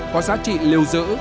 hoặc giá trị lưu giữ